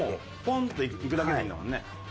ポンといくだけでいいんだもんね。